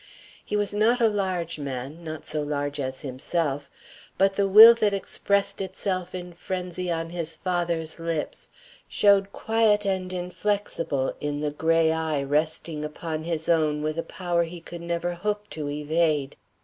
He was not a large man, not so large as himself, but the will that expressed itself in frenzy on his father's lips showed quiet and inflexible in the gray eye resting upon his own with a power he could never hope to evade.